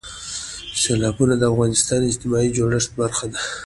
سیلابونه د افغانستان د اجتماعي جوړښت برخه ده.